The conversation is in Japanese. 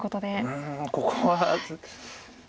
うんここは。